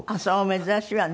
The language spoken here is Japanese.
珍しいわね。